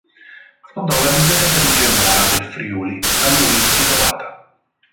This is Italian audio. Fondò la biblioteca di Gemona del Friuli, a lui intitolata.